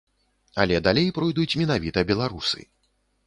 Але далей пройдуць менавіта беларусы.